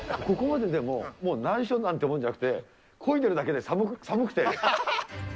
ここまででも、難所なんてもんじゃなくて、こいでるだけで寒くて。